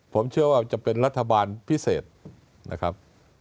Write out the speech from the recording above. ผมเชื่อว่าจะเป็นรัฐบาลพิเศษนะครับ